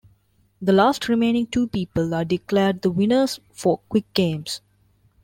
The last remaining two people are declared the winners for quick games.